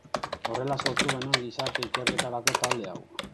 Horrela sortu genuen gizarte ikerketarako talde hau.